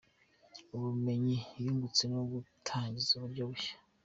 Ubumenyi yungutse no gutangiza uburyo bushya.